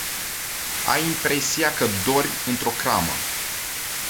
Ai impresia că dormi într-o cramă.